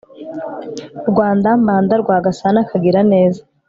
Rwanda Mbanda Rwagasana Kagiraneza